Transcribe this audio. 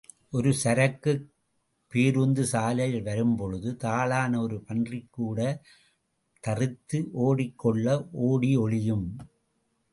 ஒரு சரக்குப் பேருந்து சாலையில் வரும்பொழுது தாழான ஒரு பன்றிகூடத் தற்காத்துக் கொள்ள ஒடி ஒளியும்.